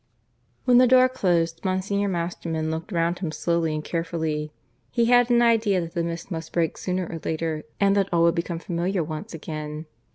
(IV) When the door closed Monsignor Masterman looked round him slowly and carefully. He had an idea that the mist must break sooner or later and that all would become familiar once again.